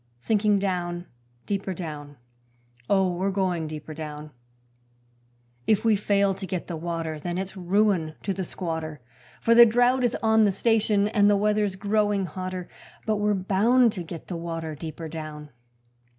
Sinking down, deeper down, Oh, we're going deeper down: If we fail to get the water then it's ruin to the squatter, For the drought is on the station and the weather's growing hotter, But we're bound to get the water deeper down.